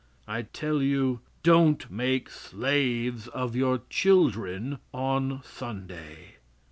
I tell you, don't make slaves of your children on Sunday.